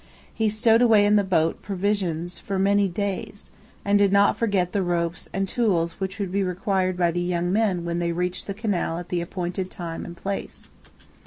He stowed away in the boat provisions for many days, and did not forget the ropes and tools which would be required by the young men when they reached the canal at the appointed time and place.